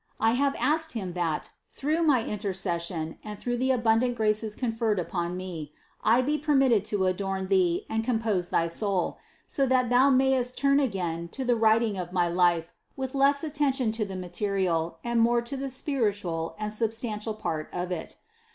I have asked Him that, through my inter cession and through the abundant graces conferred upon me, I be permitted to adorn thee and compose thy soul, so that thou mayest turn again to the writing of my life with less attention to the material and more to the spir itual and substantial part of it.